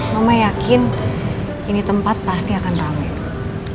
mama yakin ini tempat pasti akan rame